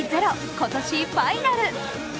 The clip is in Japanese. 今年ファイナル。